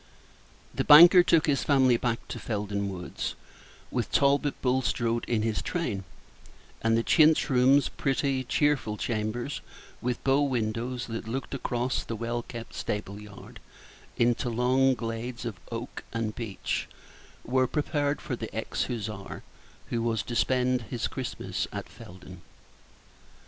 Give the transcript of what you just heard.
The banker took his family back to Felden Woods, with Talbot Bulstrode in his train; and the chintz rooms pretty, cheerful chambers, with bow windows that looked across the well kept stable yard into long glades of oak and beech were prepared for the ex Hussar, who was to spend his Christmas at Felden.